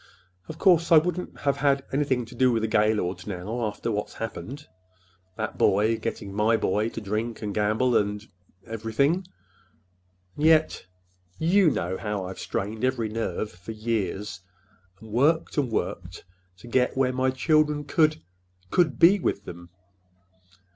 Of course, I wouldn't have anything to do with the Gaylords now, after what's happened,—that boy getting my boy to drink and gamble, and—and everything. And yet—you know how I've strained every nerve for years, and worked and worked to get where my children could—could be with them!"